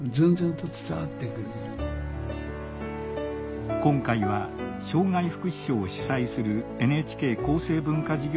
今回は障害福祉賞を主催するＮＨＫ厚生文化事業団創立６０年の節目。